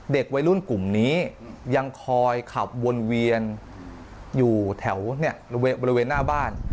เด็กวัยรุ่นกลุ่มนี้ยังคอยขับวนเวียนอยู่แถวบริเวณหน้าบ้าน